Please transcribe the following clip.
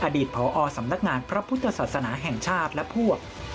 อดีตผอสำนักงานพระพุทธศาสนาแห่งชาติและพวก